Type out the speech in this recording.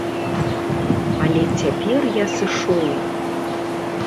Але цяпер я сышоў.